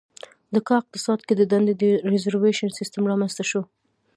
د کا اقتصاد کې د دندې د ریزروېشن سیستم رامنځته شو.